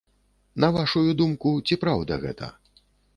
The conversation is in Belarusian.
На вашую думку, ці праўда гэта?